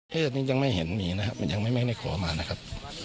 นี้ยังไม่เห็นมีนะครับมันยังไม่ได้ขอมานะครับ